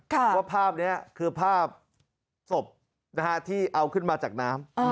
ว่าภาพนี้คือภาพศพที่เอาขึ้นมาจากน้ำ